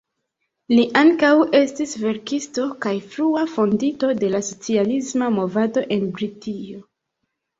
Li ankaŭ estis verkisto kaj frua fondinto de la socialisma movado en Britio.